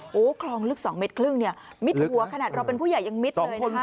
โอ้โหคลองลึก๒เมตรครึ่งเนี่ยมิดหัวขนาดเราเป็นผู้ใหญ่ยังมิดเลยนะคะ